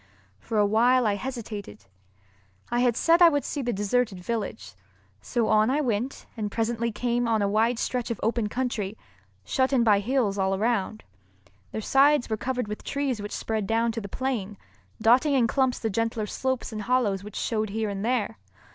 For a while I hesitated. I had said I would see the deserted village, so on I went and presently came on a wide stretch of open country, shut in by hills all around. Their sides were covered with trees which spread down to the plain, dotting in clumps the gentler slopes and hollows which showed here and there.